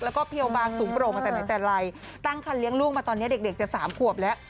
แล้วก็เพียวบางสูงโปร่งมาแต่ไหนแต่ไรตั้งคันเลี้ยงลูกมาตอนนี้เด็กจะสามขวบแล้ว